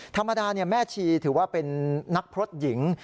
ธรรมดาแม่ชีถือว่าเป็นนักพรสหญิง